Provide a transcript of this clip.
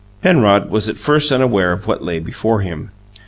Penrod was at first unaware of what lay before him.